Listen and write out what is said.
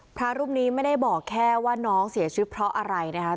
พระรูปนี้ไม่ได้บอกแค่ว่าน้องเสียชีวิตเพราะอะไรนะคะ